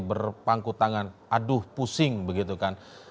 berpangku tangan aduh pusing begitu kan